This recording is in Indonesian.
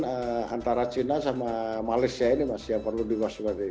antara china sama malaysia ini mas yang perlu diwaspadai